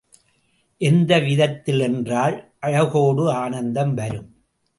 எந்த விதத்தில் என்றால், அழகோடு ஆனந்தம் வரும்.